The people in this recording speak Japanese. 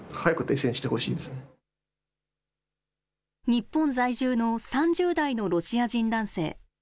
日本在住の３０代のロシア人男性。